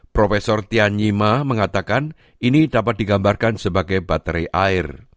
profesor tian nyima mengatakan ini dapat digambarkan sebagai baterai air